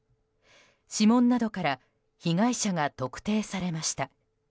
指紋などから被害者が特定されました。